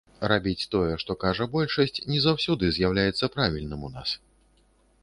Рабіць тое, што кажа большасць, не заўсёды з'яўляецца правільным у нас.